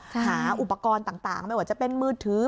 หาอุปกรณ์ต่างไม่ว่าจะเป็นมือถือ